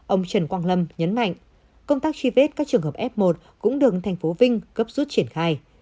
ông trần quang lâm nhấn mạnh công tác truy vết các trường hợp f một cũng được thành phố vinh gấp rút triển khai